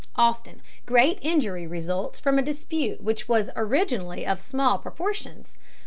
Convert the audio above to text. Often great injury results from a dispute which originally was of small proportions.